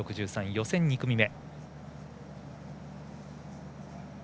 予選２組目。